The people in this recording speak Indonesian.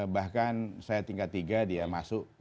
bahkan saya tingkat tiga dia masuk